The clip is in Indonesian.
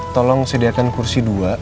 tolong sediakan kursi dua